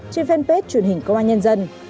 trên fanpage truyền hình công an nhân dân